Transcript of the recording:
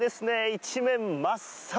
一面真っ青！